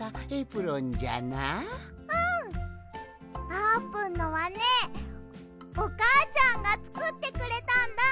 あーぷんのはねおかあちゃんがつくってくれたんだ！